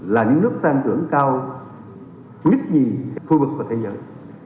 và những nước tăng trưởng cao quyết nhì khu vực và thế giới